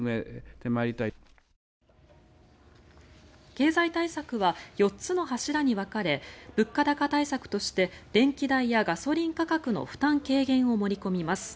経済対策は４つの柱に分かれ物価高対策として電気代やガソリン価格の負担軽減を盛り込みます。